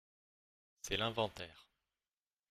C’est l’inventaire